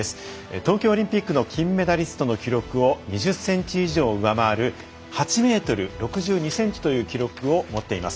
東京オリンピックの金メダリストの記録を２０ｃｍ以上上回る８ｍ６２ｃｍという記録を持っています。